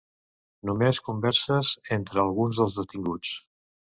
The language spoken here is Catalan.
Només converses entre alguns dels detinguts.